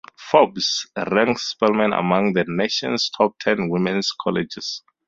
"Forbes" ranks Spelman among the nation's top ten women's colleges.